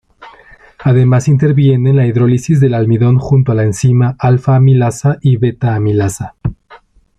Además interviene en la hidrólisis del almidón junto a la enzima alpha-amilasa y beta-amilasa.